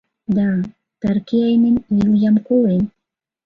— Да, Таркиайнен Вилйам колен...